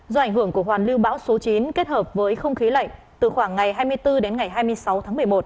do ảnh hưởng của hoàn lưu bão số chín kết hợp với không khí lạnh từ khoảng ngày hai mươi bốn đến ngày hai mươi sáu tháng một mươi một